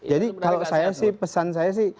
jadi kalau saya sih pesan saya sih